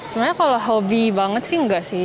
sebenarnya kalau hobi banget sih enggak sih